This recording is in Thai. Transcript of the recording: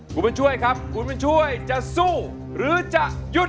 คุณบุญช่วยครับคุณบุญช่วยจะสู้หรือจะหยุด